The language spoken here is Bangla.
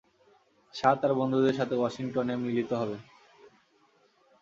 শাহ তার বন্ধুদের সাথে ওয়াশিংটনে মিলিত হবে।